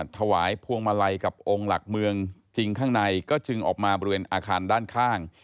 ถวายพวงมาลัยกับองค์หลักเมืองจริงข้างในก็จึงออกมาบริเวณอาคารด้านข้าง